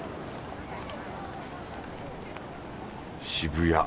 渋谷。